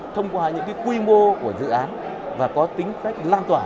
thông qua những quy mô của dự án và có tính cách lan tỏa